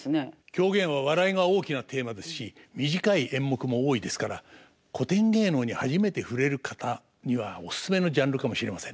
狂言は笑いが大きなテーマですし短い演目も多いですから古典芸能に初めて触れる方にはオススメのジャンルかもしれませんね。